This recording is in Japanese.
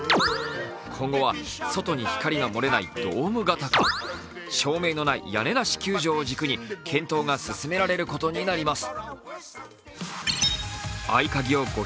今後は外に光が漏れないドーム型か照明のない屋根なし球場を軸に検討が進められることになります。